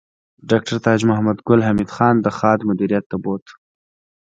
ډاکټر تاج محمد ګل حمید خان د خاد مدیریت ته بوت